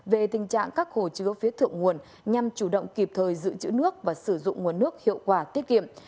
về tình trạng các hồ chứa phía thượng nguồn nhằm chủ động kịp thời giữ chữ nước và sử dụng nguồn nước hiệu quả tiết kiệm